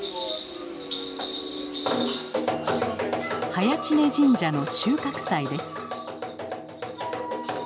早池峰神社の収穫祭です。